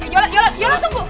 yola yola tunggu